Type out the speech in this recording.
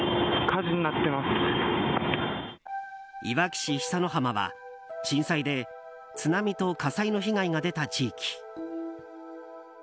いわき市久之浜は震災で津波と火災の被害が出た地域。